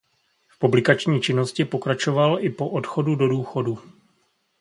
V publikační činnosti pokračoval i po odchodu do důchodu.